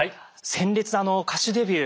鮮烈歌手デビュー